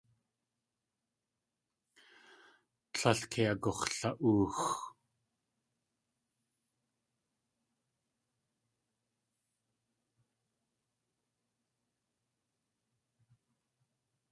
Tlél kei agux̲la.óox.